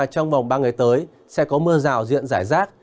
trong vòng ba ngày tới sẽ có mưa rào diện giải rác